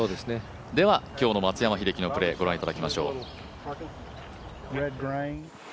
では、今日の松山英樹のプレー、ご覧いただきましょう。